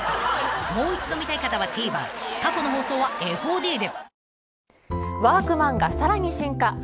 ［もう一度見たい方はＴＶｅｒ過去の放送はＦＯＤで］